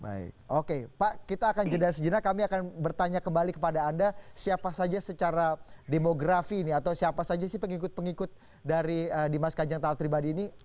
baik oke pak kita akan jeda sejenak kami akan bertanya kembali kepada anda siapa saja secara demografi ini atau siapa saja sih pengikut pengikut dari dimas kanjeng taat pribadi ini